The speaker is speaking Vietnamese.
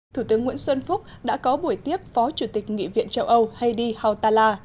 thủ tướng nguyễn xuân phúc đã có buổi tiếp phó chủ tịch nghị viện châu âu haydi hautala